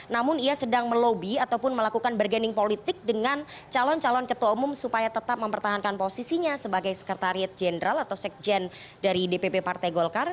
namun ia sedang melobi ataupun melakukan bergening politik dengan calon calon ketua umum supaya tetap mempertahankan posisinya sebagai sekretariat jenderal atau sekjen dari dpp partai golkar